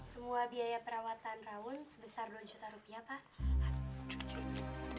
semua biaya perawatan raun sebesar dua juta rupiah pak